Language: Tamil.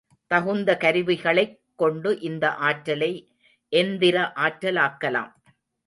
தகுந்த கருவிகளைக் கொண்டு இந்த ஆற்றலை எந்திரஆற்றலாக்கலாம்.